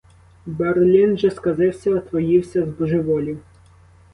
Берлін же сказився, отруївся, збожеволів.